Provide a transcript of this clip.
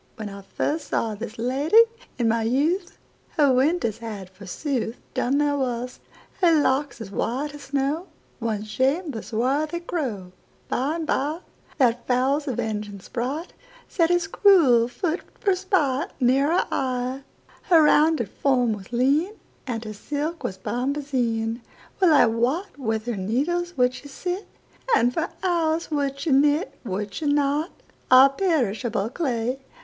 When I firstSaw this lady, in my youth, Her winters had, forsooth, Done their worst. Her locks, as white as snow, Once sham'd the swarthy crow:By and byThat fowl's avenging spriteSet his cruel foot for spiteNear her eye. Her rounded form was lean, And her silk was bombazine:Well I wotWith her needles would she sit, And for hours would she knit,—Would she not? Ah, perishable clay!